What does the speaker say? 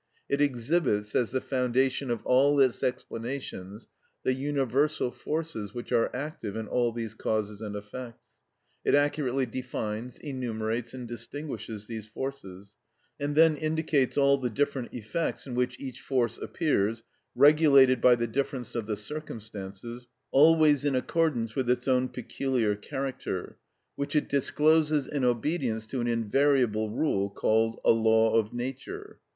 It exhibits, as the foundation of all its explanations, the universal forces which are active in all these causes and effects. It accurately defines, enumerates, and distinguishes these forces, and then indicates all the different effects in which each force appears, regulated by the difference of the circumstances, always in accordance with its own peculiar character, which it discloses in obedience to an invariable rule, called a law of nature.